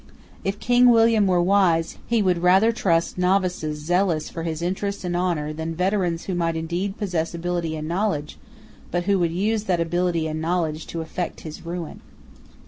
If King William were wise, he would rather trust novices zealous for his interest and honour than veterans who might indeed possess ability and knowledge, but who would use that ability and that knowledge to effect his ruin.